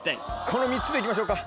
この３つで行きましょうか。